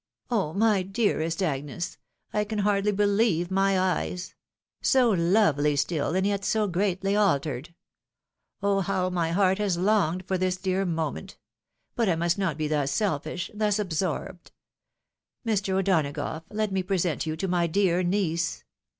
" Oh ! my dearest Agnes, I can hardly beheve my eyes ! So lovely still, and yet so greatly altered I Oh ! how my heart has longed for this dear moment I But I must not be thus selfish, thus absorbed ! Mr. O'Donagough, let me present you to my dear niece.